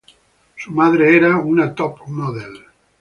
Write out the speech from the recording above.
Su madre era una top model.